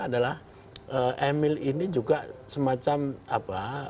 adalah emil ini juga semacam apa